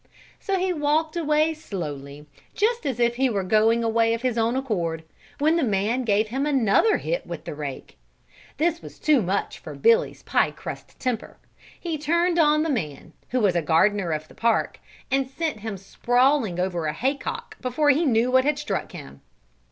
So he walked away slowly, just as if he were going away of his own accord, when the man gave him another hit with the rake. This was too much for Billy's pie crust temper; he turned on the man, who was gardener of the park, and sent him sprawling over a hay cock before he knew what had struck him.